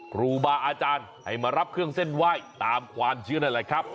ครูบาอาจารย์ให้มารับเครื่องเส้นไหว้ตามความเชื่อนั่นแหละครับ